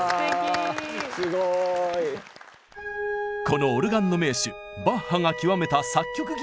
このオルガンの名手バッハが極めた作曲技法があります。